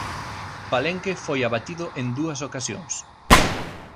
Palenque foi abatido en dúas ocasións.